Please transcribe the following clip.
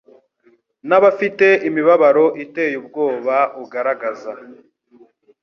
nabafite imibabaro iteye ubwoba ugaragaza